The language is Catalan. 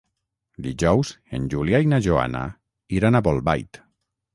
Dijous en Julià i na Joana iran a Bolbait.